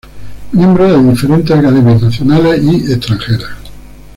Miembro de diferentes academias nacionales y extranjeras.